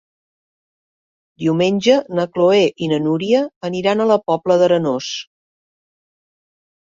Diumenge na Chloé i na Núria aniran a la Pobla d'Arenós.